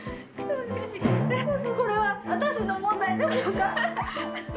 これは私の問題でしょうか？